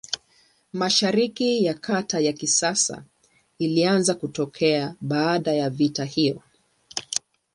Mashariki ya Kati ya kisasa ilianza kutokea baada ya vita hiyo.